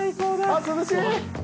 あっ涼しい！